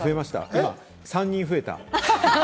今、３人増えた。